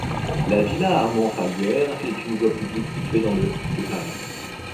La villa Armand-Fallières est une voie publique située dans le de Paris.